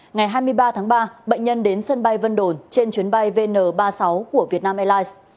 ngày hai mươi ba tháng ba bệnh nhân đến sân bay vân đồn trên chuyến bay vn ba mươi sáu của vietnam airlines